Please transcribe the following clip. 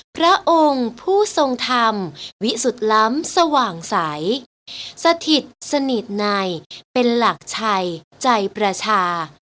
พระองค์ผู้ทรงธรรมวิสุทธิ์ล้ำสว่างใสสถิตสนิทในเป็นหลักชัยใจประชา